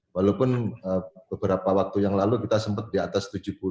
walaupun beberapa waktu yang lalu kita sempat di atas tujuh puluh